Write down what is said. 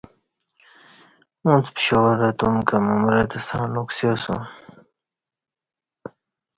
اوݩڅ پشاوراہ تم کہ ممرت ستݩع نکسیاسوم